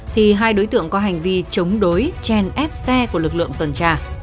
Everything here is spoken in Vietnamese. thì hai đối tượng có hành vi chống đối chèn ép xe của lực lượng tuần tra